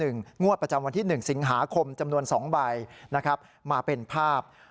งวดประจำวันที่๑สิงหาคมจำนวน๒ใบนะครับมาเป็นภาพ